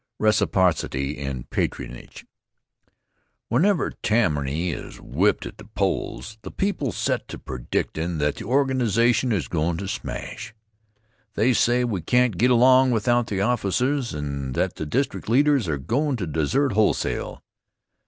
Reciprocity in Patronage WHENEVER Tammany is whipped at the polls, the people set to predictin' that the organization is going' to smash. They say we can't get along without the offices and that the district leaders are going' to desert wholesale.